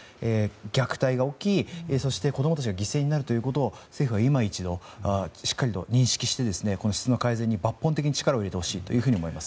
虐待が起き、そして子供たちが犠牲になるということを政府は今一度しっかりと認識して質の改善に抜本的に力を入れてほしいと思います。